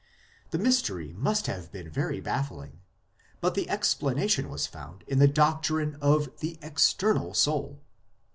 The mystery must have been very baffling ; but the explanation was found in the doctrine of the " external soul."